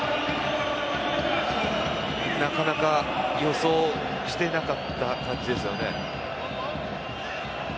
なかなか予想してなかった感じですよね。